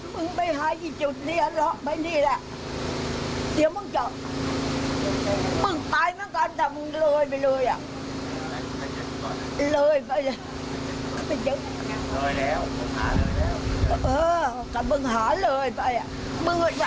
มึงก็จะล้อริ้มนี้มาเจอมึงขึ้นมาบนโบอีกสักหน่อยนึง